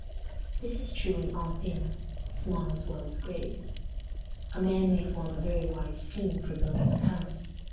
This is true in all things, small as well as great. A man may form a very wise scheme for building a house.